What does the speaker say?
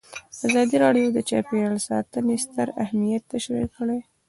ازادي راډیو د چاپیریال ساتنه ستر اهميت تشریح کړی.